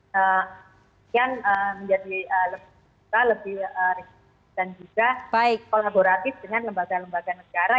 kemudian menjadi lebih rigid dan juga kolaboratif dengan lembaga lembaga negara